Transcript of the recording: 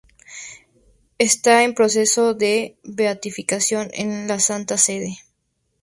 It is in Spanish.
Está en proceso de beatificación en la Santa Sede.